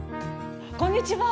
こんにちは。